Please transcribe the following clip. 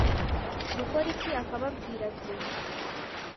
dukore iki akababwira ati